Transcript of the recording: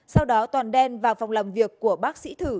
sau đó toàn đen vào phòng làm việc của bác sĩ thử